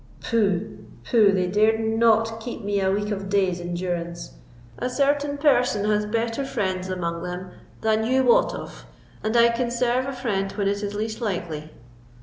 Pooh! pooh! they dared not keep me a week of days in durance. A certain person has better friends among them than you wot of, and can serve a friend when it is least likely."